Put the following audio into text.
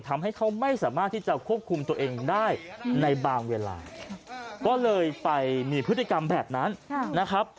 ทำให้เขาไม่สามารถที่จะควบคุมตัวเองได้ในบางเวลาก็เลยไปมีพฤติกรรมแบบนั้นนะครับ